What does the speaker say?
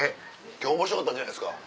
今日おもしろかったんじゃないですか？